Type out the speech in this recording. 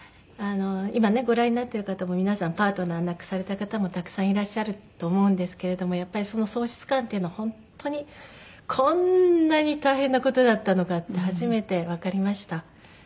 今ねご覧になってる方も皆さんパートナー亡くされた方もたくさんいらっしゃると思うんですけれどもやっぱりその喪失感っていうのは本当にこんなに大変な事だったのかって初めてわかりました。